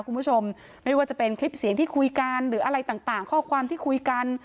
คุณผู้ชมไม่ว่าจะเป็นคลิปเสียงที่คุยกันหรืออะไรต่างข้อความที่คุยกัน